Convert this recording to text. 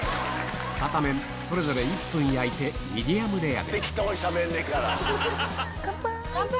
片面それぞれ１分焼いてミディアムレアで乾杯！